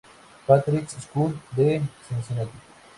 Patrick's School de Cincinnati.